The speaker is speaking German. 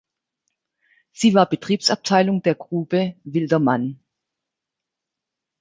Sie war Betriebsabteilung der Grube "Wilder Mann".